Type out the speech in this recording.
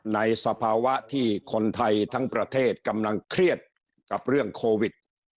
สภาวะที่คนไทยทั้งประเทศกำลังเครียดกับเรื่องโควิด